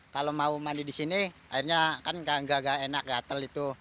kalau mau mandi di sini akhirnya kan nggak enak gatel itu